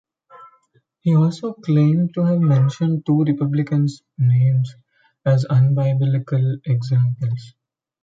He also claimed to have "mentioned two Republicans' names" as unbiblical examples.